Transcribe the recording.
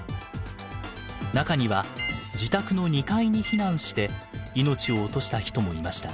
中には自宅の２階に避難して命を落とした人もいました。